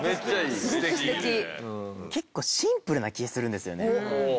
結構シンプルな気がするんですよね。